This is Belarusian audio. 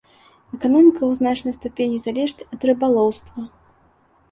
Эканоміка ў значнай ступені залежыць ад рыбалоўства.